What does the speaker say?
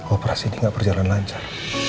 operasi ini tidak berjalan lancar